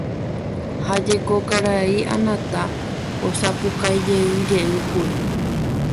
Ha jeko karai Anata osapukaijeyjeýkuri